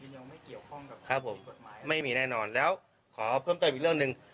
ยังไม่เกี่ยวข้องกับกฎหมายครับครับผมไม่มีแน่นอนแล้วขอเพิ่มเติมอีกเรื่องหนึ่ง